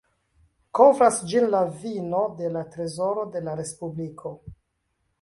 Kovras ĝin la vino de la trezoro de la respubliko.